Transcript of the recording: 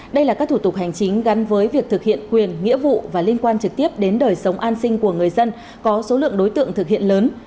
đây là các thủ tục hành chính gắn với việc thực hiện quyền nghĩa vụ và liên quan trực tiếp đến đời sống an sinh của người dân có số lượng đối tượng thực hiện lớn